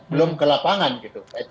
belum ke lapangan gitu